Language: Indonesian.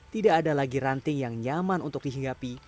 tidak ada lagi ranting yang nyaman untuk dihinggapi